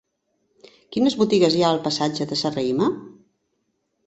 Quines botigues hi ha al passatge de Serrahima?